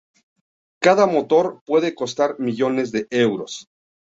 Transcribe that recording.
Cada motor puede costar millones de euros.